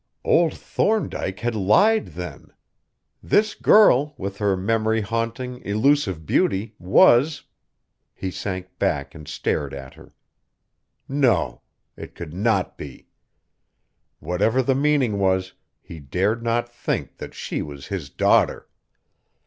Old Thorndyke had lied then! This girl, with her memory haunting, elusive beauty, was he sank back and stared at her. No: it could not be! Whatever the meaning was, he dared not think that she was his daughter!